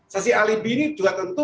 sisi alibi ini juga tentu